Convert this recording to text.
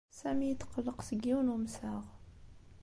Sami yetqelleq seg yiwen n umsaɣ.